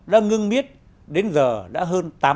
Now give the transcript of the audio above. đã ngưng miết đến giờ đã hơn tám năm